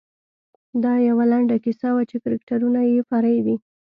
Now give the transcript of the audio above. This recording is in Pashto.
دا یوه لنډه کیسه وه چې کرکټرونه یې فرعي دي.